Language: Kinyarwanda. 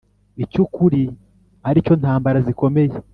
Icy ukuri ari cyo ntambara zikomeye